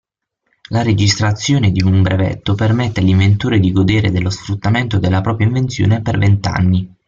La registrazione di un brevetto permette all'inventore di godere dello sfruttamento della propria invenzione per vent'anni.